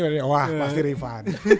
wah pasti rifan